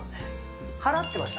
払ってました？